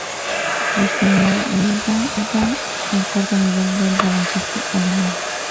Regionalliga, el cuarto nivel del baloncesto alemán.